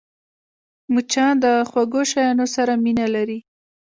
مچان د خوږو شيانو سره مینه لري